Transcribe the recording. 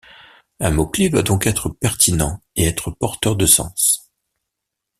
Un mot clé doit donc être pertinent et être porteur de sens.